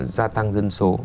gia tăng dân số